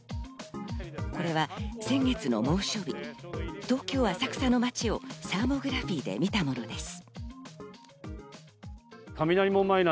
これは先月の猛暑日、東京・浅草の街をサーモグラフィーで見たものです。